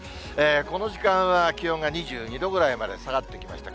この時間は気温が２２度ぐらいまで下がってきました。